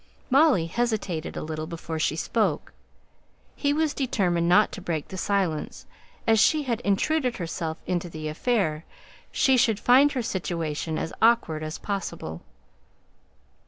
Molly hesitated a little before she spoke. He was determined not to break the silence; as she had intruded herself into the affair, she should find her situation as awkward as possible.